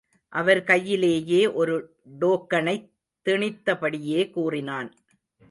அவர் கையிலேயே ஒரு டோக்கனைத் திணித்தபடியே கூறினான்.